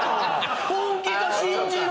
「本気か⁉信じろ！」